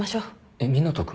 えっ湊斗君？